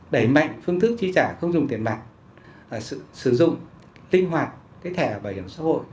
đẩy mạnh phương thức chi trả không dùng tiền mặt sử dụng linh hoạt thẻ bảo hiểm xã hội